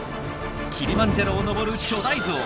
キリマンジャロを登る巨大ゾウ。